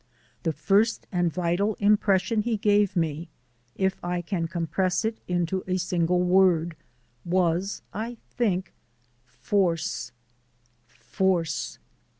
The first and vital impression he gave me, if I can compress it into a single word, was, I think, force force.